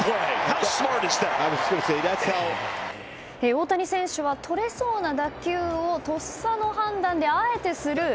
大谷選手は、とれそうな打球をとっさの判断で、あえてスルー。